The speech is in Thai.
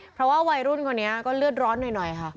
เพราะว่าวัยรุ่นคนนี้ก็เลือดร้อนหน่อยค่ะ